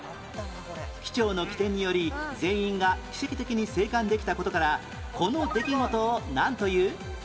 機長の機転により全員が奇跡的に生還できた事からこの出来事をなんという？